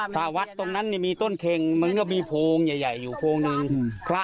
สหวัดตรงนั้นเนี่ยมีต้นเข็งมันก็มีโพงใหญ่ใหญ่อยู่โพงนี้คละ